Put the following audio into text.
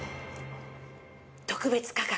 特別価格。